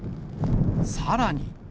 さらに。